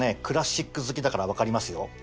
クラシック好きだから分かりますよ。